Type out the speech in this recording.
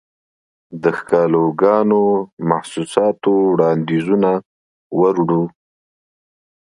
دښکالوګانو، محسوساتووړاندیزونه وروړو